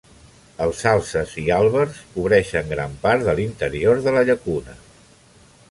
Els salzes i àlbers cobreixen gran part de l'interior de la llacuna.